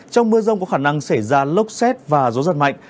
trong mưa rông có khả năng xảy ra lốc xét và gió giật mạnh